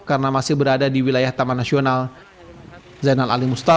karena masih berada di wilayah taman nasional